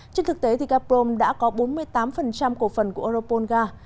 trên thực tế gaprom đã có bốn mươi tám cổ phần của europol ga